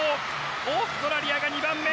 オーストラリアが２番目。